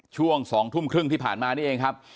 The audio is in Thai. ช่วง๒ทุ่มครึ่งที่ผ่านมานี่เองครับ